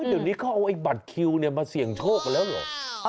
เดี๋ยวนี้เขาเอาไอ้บัตรคิวมาเสี่ยงโชคกันแล้วเหรอ